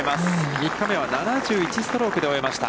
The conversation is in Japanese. ３日目は、７１ストロークで終えました。